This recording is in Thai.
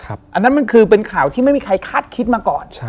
อันนั้นมันคือเป็นข่าวที่ไม่มีใครคาดคิดมาก่อน